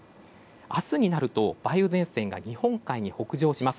明日になると梅雨前線が日本海に北上します。